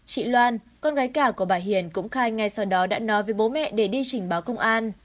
chị loan con gái cả của bà hiền cũng khai ngay sau đó đã nói với bố mẹ để đi trình báo công an